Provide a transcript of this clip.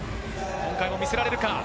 今回も見せられるか？